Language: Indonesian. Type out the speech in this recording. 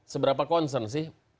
seberapa concern sih